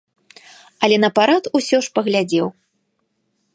Але на парад усё ж паглядзеў.